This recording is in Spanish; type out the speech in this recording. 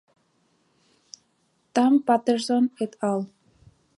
Tan Paterson et al.